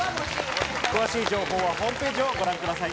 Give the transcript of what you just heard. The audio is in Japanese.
詳しい情報はホームページをご覧ください。